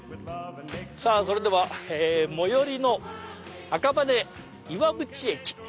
さぁそれでは最寄りの赤羽岩淵駅。